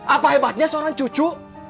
apa hebatnya seorang cucu